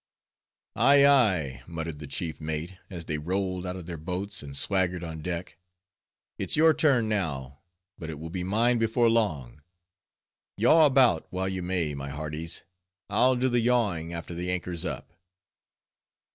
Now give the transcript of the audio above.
"Ay, ay," muttered the chief mate, as they rolled out of then boats and swaggered on deck, "it's your turn now, but it will be mine before long. Yaw about while you may, my hearties, I'll do the yawing after the anchor's up."